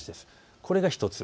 これが１つ。